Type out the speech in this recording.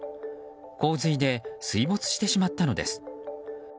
洪水で水没してしまったのです。